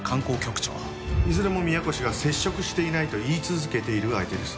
いずれも宮越が接触していないと言い続けている相手です。